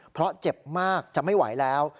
เพราะเจ็บมากจะไม่ไหวแล้ว